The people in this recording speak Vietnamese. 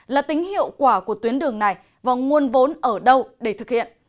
là tính hiệu quả của tuyến đường này và nguồn vốn ở đâu để thực hiện